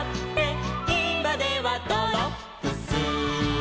「いまではドロップス」